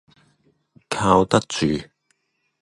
靠得住